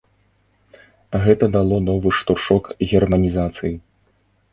Гэта дало новы штуршок германізацыі.